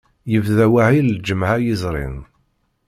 Yebda wahil lǧemɛa yezrin.